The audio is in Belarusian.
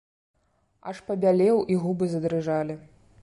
Аж пабялеў, і губы задрыжалі.